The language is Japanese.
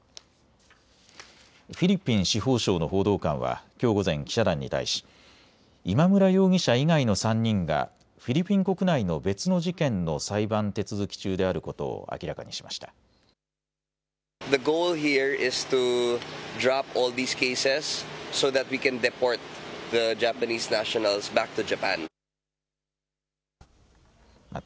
フィリピン司法省の報道官はきょう午前、記者団に対し今村容疑者以外の３人がフィリピン国内の別の事件の裁判手続き中であることを明らかにしました。